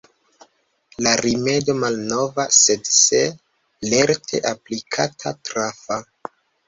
La rimedo malnova, sed, se lerte aplikata, trafa.